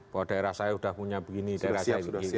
bahwa daerah saya sudah punya begini daerah saya begini